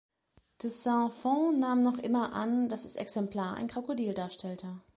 De Saint-Fond nahm noch immer an, dass das Exemplar ein Krokodil darstellte.